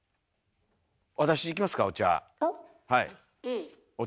私いきますかお茶。